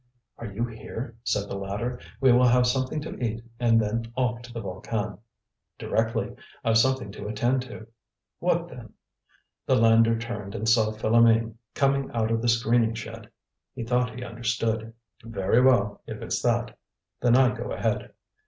"Are you here?" said the latter. "We will have something to eat, and then off to the Volcan." "Directly. I've something to attend to." "What, then?" The lander turned and saw Philoméne coming out of the screening shed. He thought he understood. "Very well, if it's that. Then I go ahead."